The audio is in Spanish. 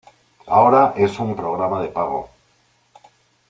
Ahora es un programa de pago.